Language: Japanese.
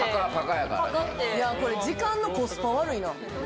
これ、時間のコスパ悪いな。